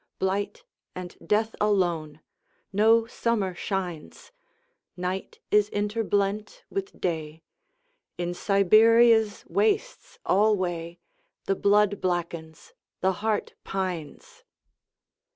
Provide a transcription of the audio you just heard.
Blight and death alone.No summer shines. Night is interblent with Day.In Siberia's wastes alwayThe blood blackens, the heart pines.